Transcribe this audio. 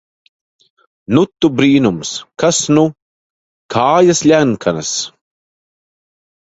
Nu, tu brīnums! Kas nu! Kājas ļenkanas...